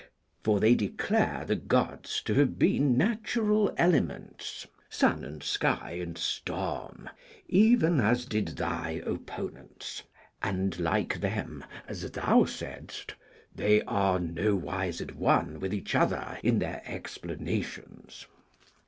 For they declare the Gods to have been natural elements, sun and sky and storm, even as did thy opponents; and, like them, as thou saidst, 'they are nowise at one with each other in their explanations.'